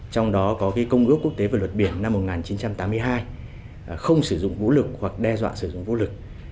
trong đó có công ước quốc tế về luật biển năm một nghìn chín trăm tám mươi hai không sử dụng vũ lực hoặc đe dọa sử dụng vũ lực